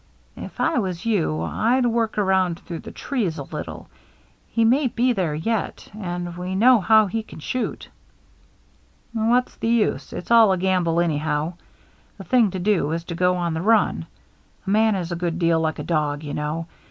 " If I was you, I'd work around through the trees a little. He may be there yet, and we know how he can shoot." "What's the use? It's all a gamble any how. The thing to do is to go on the run. A man is a good deal like a dog, you know.